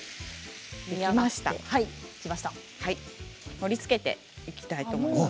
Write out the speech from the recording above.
盛りつけていきたいと思います。